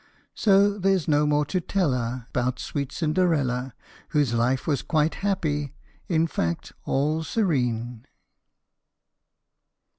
So there 's no more to tell a Bout sweet Cinderella, Whose life was quite happy in fact, " all serene